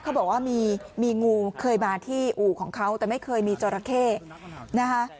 เขาบอกว่ามีงูเคยมาที่อู่ของเขาแต่ไม่เคยมีจราเข้นะคะ